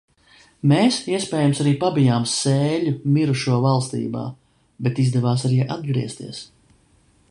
Mēs, iespējams, arī pabijām sēļu mirušo valstībā, bet izdevās arī atgriezties.